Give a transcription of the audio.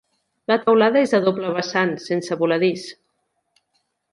La teulada és a doble vessant, sense voladís.